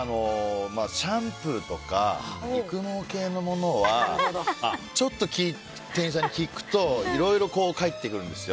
シャンプーとか育毛系のものはちょっと店員さんに聞くといろいろ返ってくるんですよ。